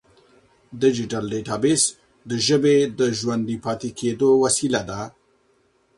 ډیجیټل ډیټابیس د ژبې د ژوندي پاتې کېدو وسیله ده.